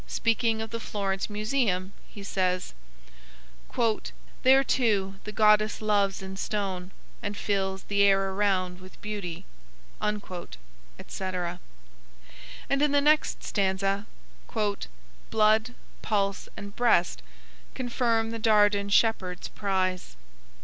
Speaking of the Florence Museum, he says: "There, too, the goddess loves in stone, and fills The air around with beauty;" etc. And in the next stanza, "Blood, pulse, and breast confirm the Dardan shepherd's prize."